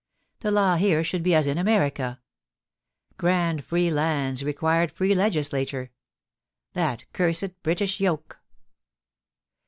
The law here should be as in America. Grand free lands required free legislature. That cursed British yoke